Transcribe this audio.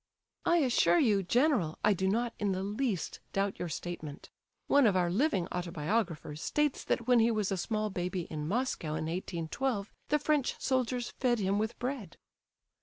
"I assure you, general, I do not in the least doubt your statement. One of our living autobiographers states that when he was a small baby in Moscow in 1812 the French soldiers fed him with bread."